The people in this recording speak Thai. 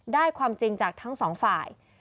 ความจริงจากทั้งสองฝ่าย